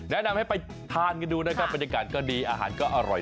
แนะนำให้ไปทานกันดูนะครับบรรยากาศก็ดีอาหารก็อร่อย